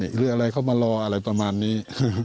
อะไรเขามารออะไรประมาณนี้